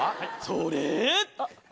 それ。